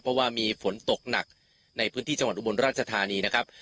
เพราะว่ามีฝนตกหนักในพื้นที่จังหวัดอุบลราชธานีนะครับ